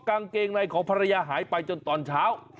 กางเกงในของภรรยาหายไปจนตอนเช้า